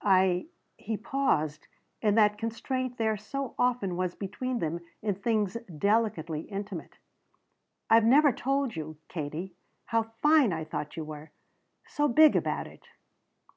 I" he paused in that constraint there so often was between them in things delicately intimate "I've never told you, Katie, how fine I thought you were. So big about it."